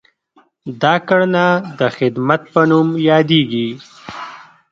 دا کړنه د خدمت په نوم یادیږي.